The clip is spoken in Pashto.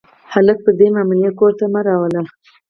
هلکه، پردۍ معاملې کور ته مه راوړه.